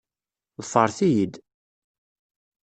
Ḍefret-iyi-d!